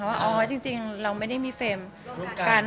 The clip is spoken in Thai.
ว่าอ๋อจริงเราไม่ได้มีเฟรมกัน